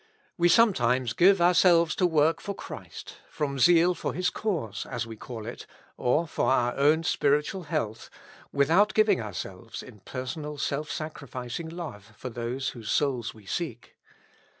We sometimes give our selves to work for Christ, from zeal for His cause, as we call it, or for our own spiritual health, without giving ourselves in personal self sacrificing love for those whose souls we seek.